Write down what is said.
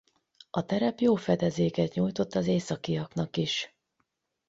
A terep jó fedezéket nyújtott az északiaknak is.